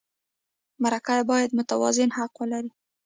مرکه باید متوازن حق ولري.